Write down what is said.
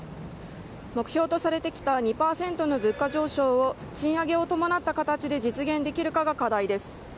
目標とされてきた２％の物価上昇を賃上げを伴った形で実現できるかが課題です。